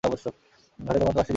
ঘাটে তখন পাঁচটি জেটি ছিল।